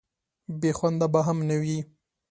بې خونده به هم نه وي.